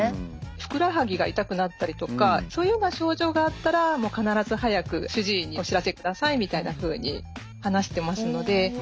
ふくらはぎが痛くなったりとかそういうような症状があったら必ず早く主治医にお知らせくださいみたいなふうに話してますので。